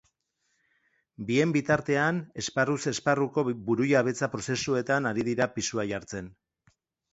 Bien bitartean, esparruz esparruko burujabetza prozesuetan ari dira pisua jartzen.